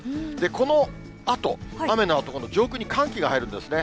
このあと、雨のあと、今度上空に寒気が入るんですね。